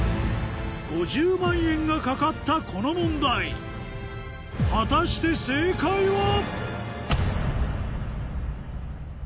５０万円が懸かったこの問題果たして正解は？